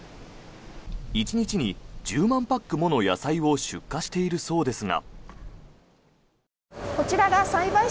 １日に１０万パックもの野菜を出荷しているそうですが。